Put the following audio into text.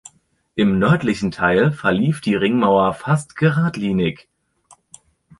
Im nördlichen Teil verlief die Ringmauer fast geradlinig.